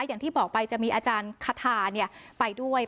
อย่างที่บอกไปจะมีอาจารย์คาทาไปด้วย